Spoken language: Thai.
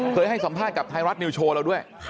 ให้สัมภาษณ์กับไทยรัฐนิวโชว์เราด้วย